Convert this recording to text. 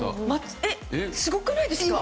すごくないですか？